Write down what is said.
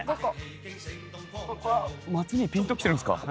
松兄ぴんときてるんですか？